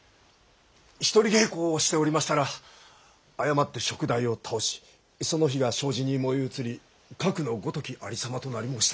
一人稽古をしておりましたら過って燭台を倒しその火が障子に燃え移りかくのごとき有様となり申した。